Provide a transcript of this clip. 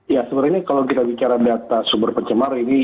ya sebenarnya kalau kita bicara data sumber pencemar ini